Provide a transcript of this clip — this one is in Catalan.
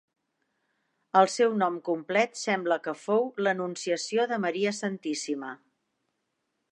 El seu nom complet sembla que fou l'Anunciació de Maria Santíssima.